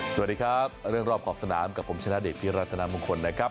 สวัสดีครับเรื่องรอบขอบสนามกับผมชนะเดชพิรัตนามงคลนะครับ